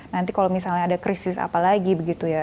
nanti kalau misalnya ada krisis apalagi begitu ya